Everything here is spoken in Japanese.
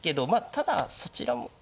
ただそちらも。